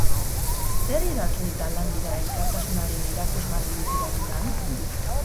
Zer idazle eta lan dira elkartasunaren erakusgarri literaturan?